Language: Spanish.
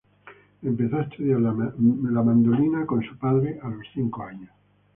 Empezó a estudiar la mandolina con su padre a los cinco años.